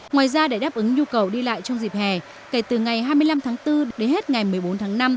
ngoài ra để đáp ứng nhu cầu đi lại trong dịp hè kể từ ngày hai mươi năm tháng bốn đến hết ngày một mươi bốn tháng năm